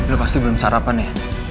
udah pasti belum sarapan ya